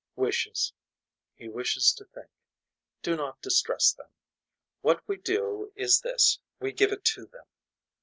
Wishes He wishes to think. Do not distress them. What we do is this we give it to them.